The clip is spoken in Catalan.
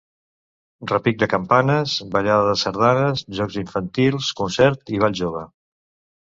Repic de campanes, ballada de sardanes, jocs infantils, concert i ball jove.